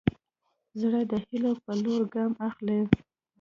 زړه د هيلو په لور ګام اخلي.